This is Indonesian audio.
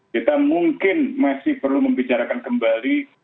kita mungkin masih perlu membicarakan kembali